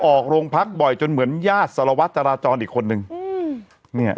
ออกโรงพักบ่อยจนเหมือนญาติสารวัตรจราจรอีกคนนึงอืมเนี่ย